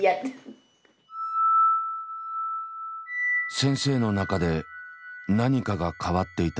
先生の中で何かが変わっていた。